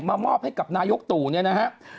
มามอบให้กับนายกตัวนี่นะฮะ